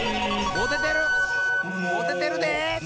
もててる！モ！